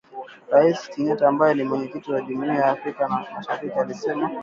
Rais Kenyatta ambaye ni Mwenyekiti wa jumuia ya Afrika mashariki alisema